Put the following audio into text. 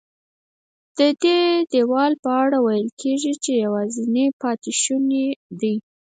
ددې دیوال په اړه ویل کېږي چې یوازینی پاتې شونی دی.